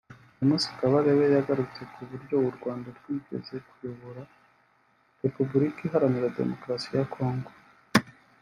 James Kabarebe yagarutse ku buryo u Rwanda rwigeze kuyobora Repubulika Iharanira Demokarasi ya Congo